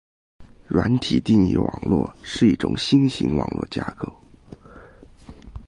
软体定义网路是一种新型网络架构。